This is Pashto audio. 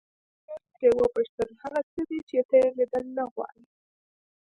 ډاکټر ترې وپوښتل هغه څه دي چې ته يې ليدل نه غواړې.